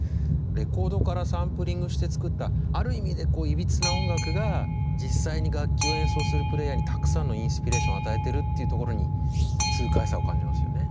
レコードからサンプリングして作ったある意味でいびつな音楽が実際に楽器を演奏するプレーヤーにたくさんのインスピレーションを与えてるっていうところに痛快さを感じますよね。